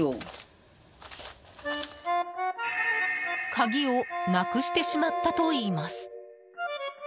鍵をなくしてしまったといいます。